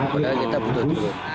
padahal kita butuh turun